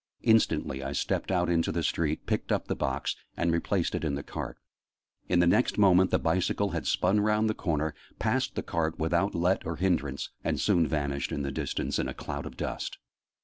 Instantly I stepped out into the street, picked up the box, and replaced it in the cart: in the next moment the bicycle had spun round the corner, passed the cart without let or hindrance, and soon vanished in the distance, in a cloud of dust.